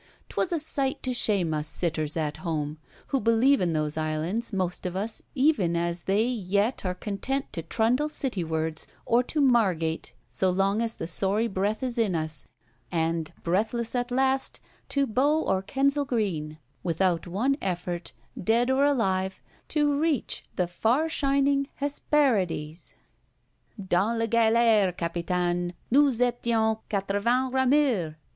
'Twas a sight to shame us sitters at home, who believe in those Islands, most of us, even as they, yet are content to trundle City wards or to Margate, so long as the sorry breath is in us; and, breathless at last, to Bow or Kensal Green; without one effort, dead or alive, to reach the far shining Hesperides. "Dans la galère, capitane, nous étions quatre vingt rameurs!"